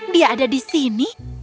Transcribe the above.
dia ada di sini